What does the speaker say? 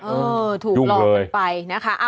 เออถูกหลอกไปนะคะยุ่งเลย